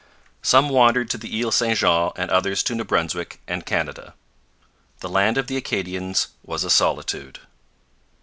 Some wandered to the Isle St Jean and others to New Brunswick and Canada. The land of the Acadians was a solitude.